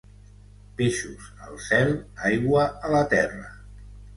Peixos al cel, aigua a la terra.